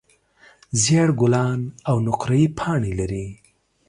زېړ ګلان او نقریي پاڼې لري.